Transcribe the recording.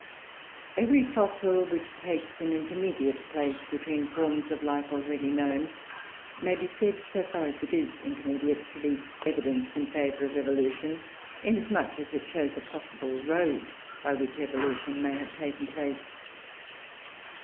Every fossil which takes an intermediate place between forms of life already known, may be said, so far as it is intermediate, to be evidence in favour of evolution, inasmuch as it shows a possible road by which evolution may have taken place.